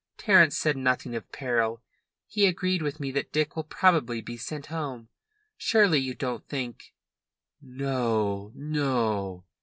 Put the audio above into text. Terence said nothing of peril. He agreed with me that Dick will probably be sent home. Surely you don't think " "No, no."